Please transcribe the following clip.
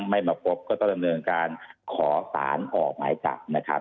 ไม่มาพบก็ต้องดำเนินการขอสารออกหมายจับนะครับ